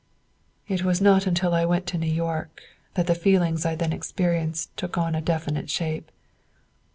"It was not until I went to New York that the feelings I then experienced took on a definite shape.